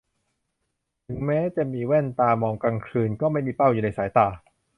ถึงแม้จะมีแว่นตามองกลางคืนก็ไม่มีเป้าอยู่ในสายตา